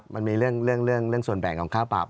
มันมีเรื่องส่วนแบ่งของค่าปรับ